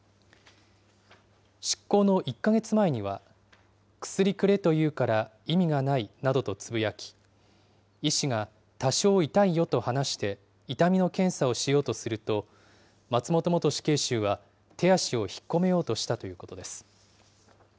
執行の１か月前には薬くれと言うから意味がないなどとつぶやき、医師が多少痛いよと話して、痛みの検査をしようとすると、松本元死刑囚は手足を引っ込めようとしたということです。